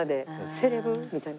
セレブ！みたいな。